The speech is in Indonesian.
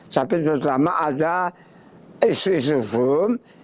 tapi terutama ada isu isu hukum